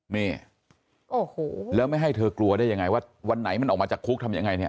นี่โอ้โหแล้วไม่ให้เธอกลัวได้ยังไงว่าวันไหนมันออกมาจากคุกทำยังไงเนี่ย